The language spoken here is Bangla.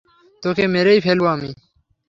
তোকে মেরেই ফেলব আমি!